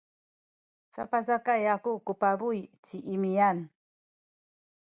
sapacakay aku ku pabuy ci Imian.